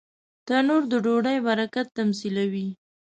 تنور د ډوډۍ برکت تمثیلوي